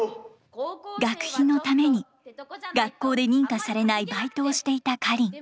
学費のために学校で認可されないバイトをしていたカリン。